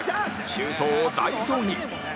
周東を代走に